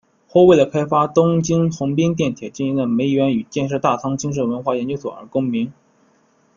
后为了开发东京横滨电铁经营的梅园与建设大仓精神文化研究所而更名。